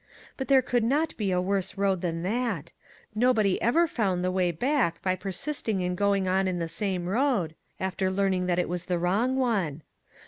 But there could not be a worse road than that. Nobody ever found the way back by persisting in going on in the same road, after learning that it was the wrong one.